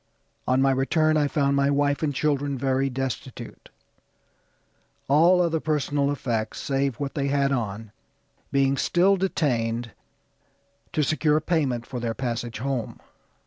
On my return I found my wife and children very destitute; all other personal effects, save what they had on, being still detained to secure payment for their passage home.